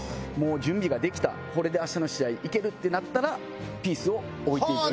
準備が出来たこれで明日の試合行けるってなったらピースを置いて行く。